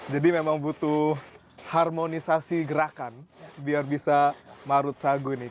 jadi memang butuh harmonisasi gerakan biar bisa marut sagu nih